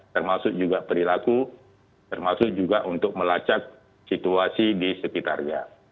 termasuk juga perilaku termasuk juga untuk melacak situasi di sekitarnya